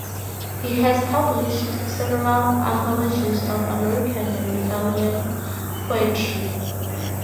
He has published several anthologies of American and Italian Poetry.